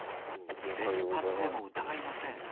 連発でも疑いません。